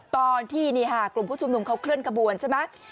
ตอนที่กลุ่มผู้ชุมนุมเขาเคลื่อนขบวนใช่ไหม